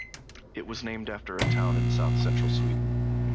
It was named after a town in south-central Sweden.